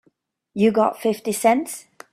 You got fifty cents?